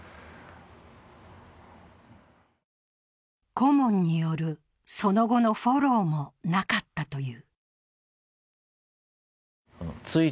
顧問によるその後のフォローもなかったという。